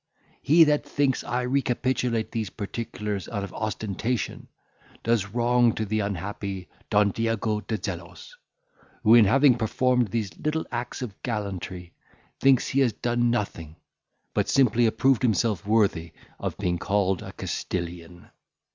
He that thinks I recapitulate these particulars out of ostentation, does wrong to the unhappy Don Diego de Zelos, who, in having performed these little acts of gallantry, thinks he has done nothing, but simply approved himself worthy of being called a Castilian.